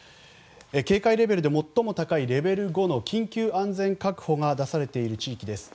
警戒レベルで最も高いレベル５の緊急安全確保が出されている地域です。